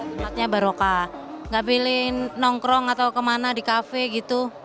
tempatnya barokah nggak pilih nongkrong atau kemana di kafe gitu